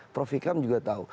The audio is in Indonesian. prof ikam juga tahu